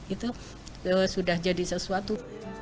itu sudah jadi sesuatu